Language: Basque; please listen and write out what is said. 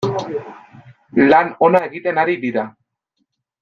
Lan ona egiten ari dira.